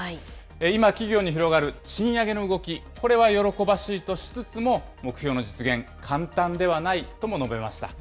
今、企業に広がる賃上げの動き、これは喜ばしいとしつつも、目標の実現、簡単ではないとも述べました。